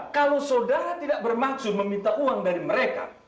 kalau saudara tidak bermaksud meminta uang dari mereka